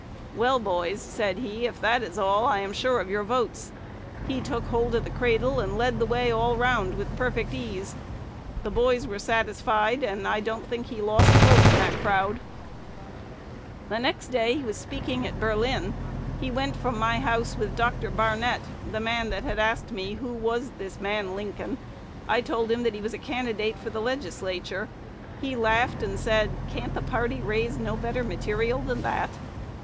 'Well, boys,' said he, 'if that is all, I am sure of your votes.' He took hold of the cradle, and led the way all the round with perfect ease. The boys were satisfied, and I don't think he lost a vote in the crowd. "The next day was speaking at Berlin. He went from my house with Dr. Barnett, the man that had asked me who this man Lincoln was. I told him that he was a candidate for the Legislature. He laughed and said, 'Can't the party raise no better material than that?'